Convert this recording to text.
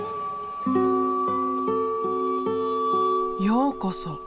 ようこそ！